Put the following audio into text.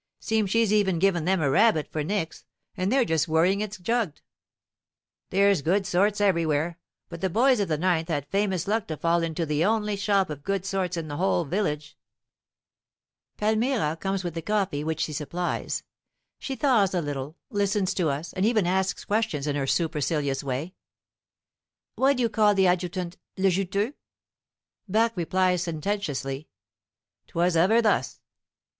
Seems she's even given them a rabbit for nix, and they're just worrying it jugged." "There's good sorts everywhere. But the boys of the 9th had famous luck to fall into the only shop of good sorts in the whole village." Palmyra comes with the coffee, which she supplies. She thaws a little, listens to us, and even asks questions in a supercilious way: "Why do you call the adjutant 'le juteux'?" Barque replies sententiously, "'Twas ever thus."